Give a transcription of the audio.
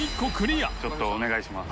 ちょっとお願いします